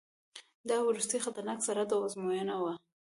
دا وروستی خطرناک سرحد او آزموینه وه.